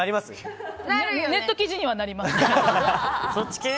ネット記事にはなります。